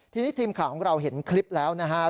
ทีนี้ทีมข่าวของเราเห็นคลิปแล้วนะครับ